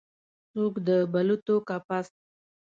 څوک د بلوطو کپس